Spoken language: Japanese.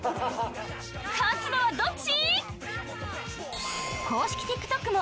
勝つのはどっち！？